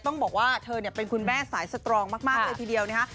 ต้องบอกว่าเธอเป็นคุณแม่สายสตรองมากเลยทีเดียวนะคะ